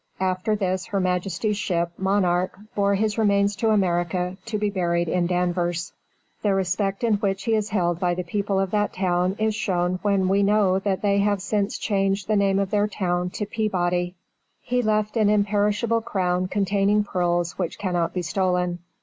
After this her Majesty's ship Monarch bore his remains to America to be buried in Danvers. The respect in which he is held by the people of that town is shown when we know that they have since changed the name of their town to Peabody. He left an imperishable crown containing pearls which cannot be stolen.